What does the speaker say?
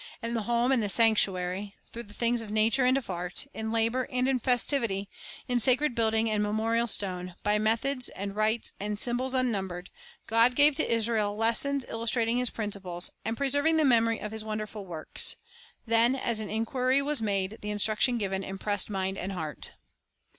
In the home and the sanctuary, through the things of nature and of art, in labor and in festivity, in sacred building and memorial stone, by methods and rites and symbols unnumbered, God gave to Israel lessons illustrating His principles, and preserving the memory of His wonderful works. Then, as inquiry was made, the instruction given impressed mind and heart.